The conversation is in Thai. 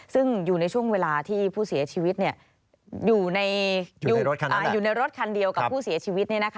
ซึ่งอยู่ในช่วงเวลาที่ผู้เสียชีวิตอยู่ในรถคันเดียวกับผู้เสียชีวิต